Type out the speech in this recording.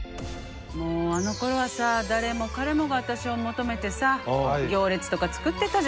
もうあのころはさ誰も彼もが私を求めてさ行列とか作ってたじゃない。